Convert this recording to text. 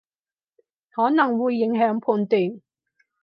可能會影響判斷